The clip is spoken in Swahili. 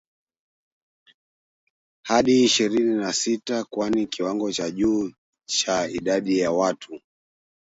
hadi ishirini na sita kwani kiwango cha juu cha idadi ya watu